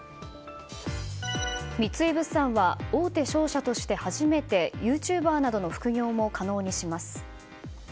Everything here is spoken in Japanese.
三井物産は大手商社として初めてユーチューバーなどの副業も可能にします。